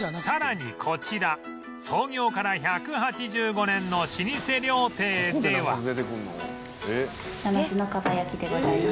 さらにこちら創業から１８５年の老舗料亭では